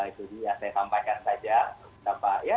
itu dia saya sampaikan saja